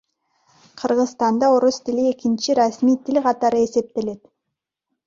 Кыргызстанда орус тили экинчи расмий тил катары эсептелет.